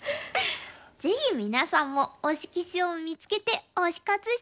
ぜひ皆さんも推し棋士を見つけて推し活して下さい！